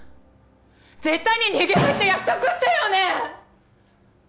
絶対に逃げるって約束したよね！？